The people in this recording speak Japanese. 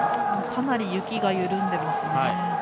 かなり雪が緩んでますね。